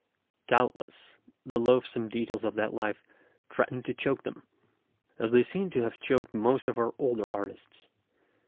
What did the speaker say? Doubtless the loathsome details of that life threaten to choke them, as they seem to have choked most of our older artists.